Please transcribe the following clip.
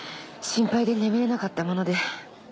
心配で眠れなかったもので。